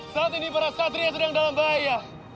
saat ini para satria sedang dalam bahaya